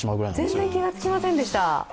全然気がつきませんでした。